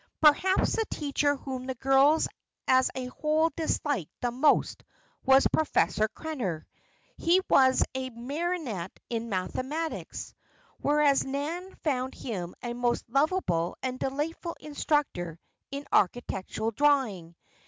Perhaps the teacher whom the girls as a whole disliked the most was Professor Krenner. He was a martinet in mathematics; whereas Nan found him a most lovable and delightful instructor in architectural drawing.